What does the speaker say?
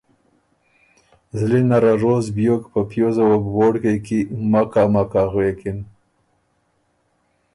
زلی نره روز بیوک په پیوزه وه بُو ووړکئ کی ”مکا مکا“ غوېکِن۔